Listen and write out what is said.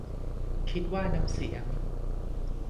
คิดว่าน้ำเสียง